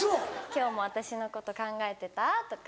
「今日も私のこと考えてた？」とか。